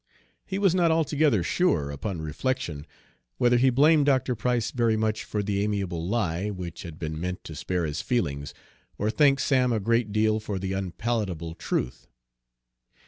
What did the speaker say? He was not altogether sure, upon reflection, whether he blamed Dr. Price very much for the amiable lie, which had been meant to spare his feelings, or thanked Sam a great deal for the unpalatable truth.